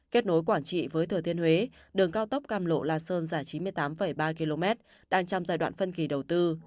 kết nối quảng trị với thừa thiên huế đường cao tốc cam lộ la sơn dài chín mươi tám ba km đang trong giai đoạn phân kỳ đầu tư